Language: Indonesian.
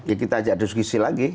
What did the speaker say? ya kita ajak diskusi lagi